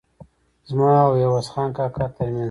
زما او عوض خان کاکا ترمنځ.